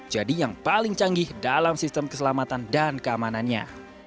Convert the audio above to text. jadi yang paling canggih dalam sistem keselamatan dan keamanannya